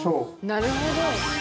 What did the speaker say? なるほど。